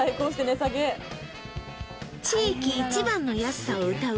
地域一番の安さをうたう